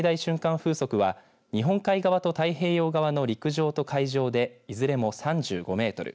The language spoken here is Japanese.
風速は日本海側と太平洋側の陸上と海上でいずれも３５メートル